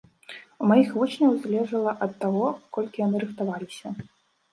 У маіх вучняў залежала ад таго, колькі яны рыхтаваліся.